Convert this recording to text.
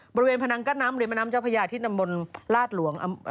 บริเวณพนังก็น้ำหรือบริเมนัมเจ้าพญาทิศนำบนลาศหลวง